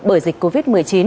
bởi dịch covid một mươi chín